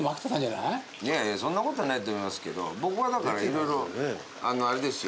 いやいやそんなことないと思いますけど僕はだから色々あれですよ